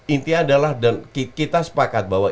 intinya adalah dan kita sepakat bahwa